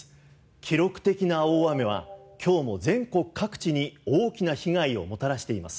記録的な大雨は今日も全国各地に大きな被害をもたらしています。